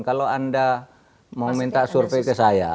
kalau anda mau minta survei ke saya